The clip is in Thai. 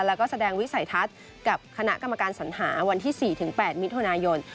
แล้วก็แสดงวิสัยทัศน์กับคณะกรรมการสัญหาวันที่๔๘มิถุนายน